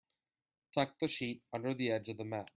Tuck the sheet under the edge of the mat.